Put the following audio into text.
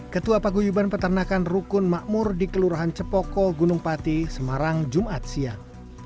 ketua paguyuban peternakan rukun makmur di kelurahan cepoko gunung pati semarang jumat siang